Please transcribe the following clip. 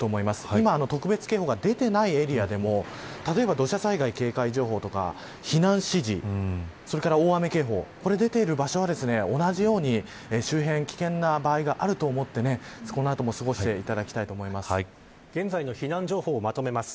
今、特別情報が出ていないエリアでも、土砂災害警戒情報避難指示それから大雨警報が出ている地域は、同じように周辺危険な場合があると思ってこの後も過ごして現在の避難情報をまとめます。